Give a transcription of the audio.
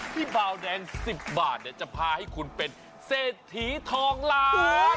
ที่เบาแดงสิบบาทเนี้ยจะพาให้คุณเป็นเศรษฐีทองร้าน